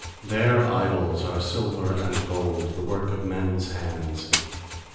4Their idols are silver and gold, The work of men's hands.